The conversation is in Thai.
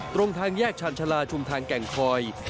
ตรงทางแยกชาญชาลาชุมทางแก่งคอย